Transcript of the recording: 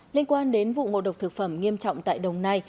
liên quan đến vụ ngộ độc thực phẩm nghiêm trọng tại đồng nai